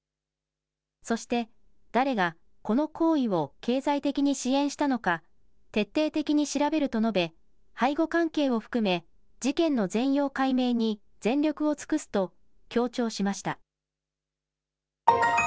そして誰がこの行為を経済的に支援したのか徹底的に調べると述べ背後関係を含め事件の全容解明に全力を尽くすと強調しました。